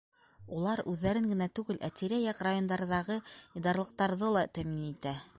Улар үҙҙәрен генә түгел, ә тирә-яҡ райондарҙағы идаралыҡтарҙы ла тәьмин итә.